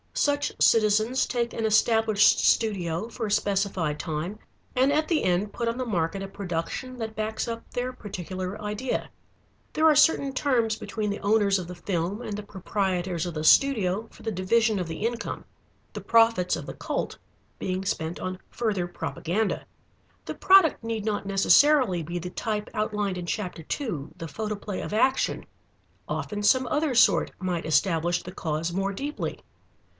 Such citizens take an established studio for a specified time and at the end put on the market a production that backs up their particular idea. There are certain terms between the owners of the film and the proprietors of the studio for the division of the income, the profits of the cult being spent on further propaganda. The product need not necessarily be the type outlined in chapter two, The Photoplay of Action. Often some other sort might establish the cause more deeply.